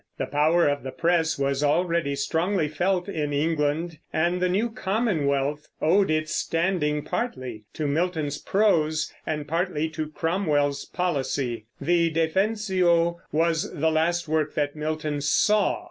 The power of the press was already strongly felt in England, and the new Commonwealth owed its standing partly to Milton's prose, and partly to Cromwell's policy. The Defensio was the last work that Milton saw.